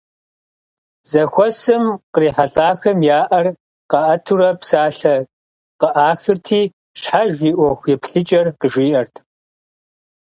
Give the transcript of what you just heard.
Зэхуэсым кърихьэлӀахэм я Ӏэр къаӀэтурэ псалъэ къыӀахырти щхьэж и ӀуэхуеплъыкӀэр къыжаӀэрт.